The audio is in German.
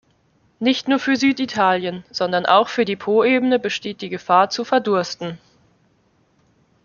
Nicht nur für Süditalien, sondern auch für die Poebene besteht die Gefahr, zu verdursten.